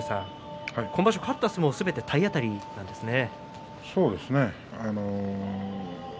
今場所勝った相撲すべて体当たりですね。